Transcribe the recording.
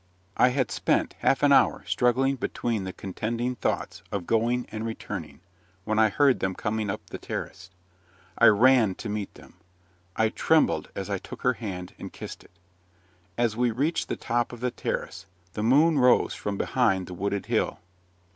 I had spent half an hour struggling between the contending thoughts of going and returning, when I heard them coming up the terrace. I ran to meet them. I trembled as I took her hand, and kissed it. As we reached the top of the terrace, the moon rose from behind the wooded hill.